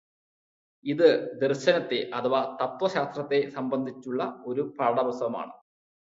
ഇത് ദർശനത്തെ അഥവാ തത്വശാസ്ത്രത്തെ സംബന്ധിച്ചുള്ള ഒരു പാഠപുസ്തകമാണ്.